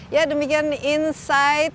ya demikian insight